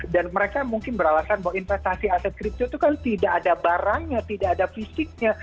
dan mereka mungkin beralasan bahwa investasi aset kripto itu kan tidak ada barangnya tidak ada fisiknya